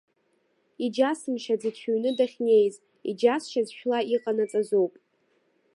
Иџьасымшьаӡеит шәыҩны дахьнеиз, иџьасшьаз шәла иҟанаҵазоуп.